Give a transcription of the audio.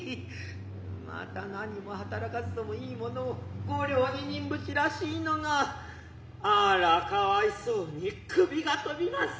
また何も働かずとも可いものを五両二人扶持らしいのがあら可哀相に首が飛びます。